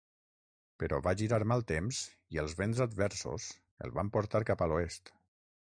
Però va girar mal temps i els vents adversos el van portar cap a l'oest.